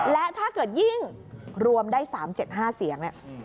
และถ้าเกิดยิ่งรวมได้๓๗๕เสียงเนี่ย